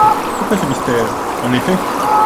Pourquoi ce mystère, en effet ?